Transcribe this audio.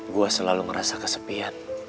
gua selalu ngerasa kesepian